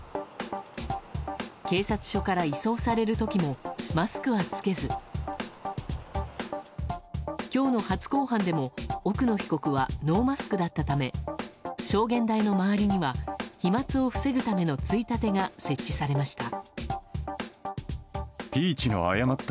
警察署から移送される時もマスクは着けず今日の初公判でも奥野被告はノーマスクだったため証言台の周りには飛沫を防ぐためのついたてが設置されました。